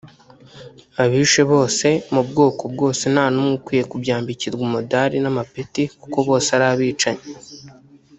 Abishe bose mu bwoko bwose nta n’umwe ukwiye kubyambikirwa umudari n’amapeti kuko bose ari abicanyi